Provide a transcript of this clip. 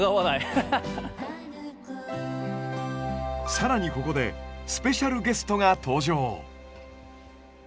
更にここでスペシャルゲストが登場！